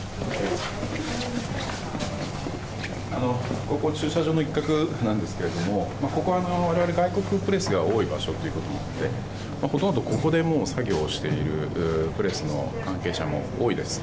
ここ、駐車場の一角なんですがここ、我々外国プレスが多い場所ということもあってほとんどここで作業をしているプレスの関係者も多いです。